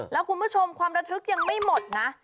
แล้วคุณผู้ชมความระทึกยังไม่หมดนะ